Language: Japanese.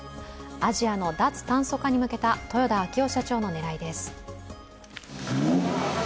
アジアの脱炭素化に向けた豊田章男社長の狙いです。